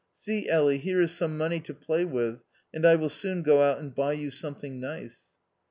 See, Elly, here is some money to play with, and I will soon go out and buy you something nice."